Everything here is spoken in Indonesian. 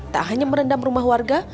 tak hanya merendam rumah warga